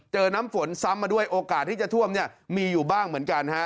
น้ำฝนซ้ำมาด้วยโอกาสที่จะท่วมเนี่ยมีอยู่บ้างเหมือนกันฮะ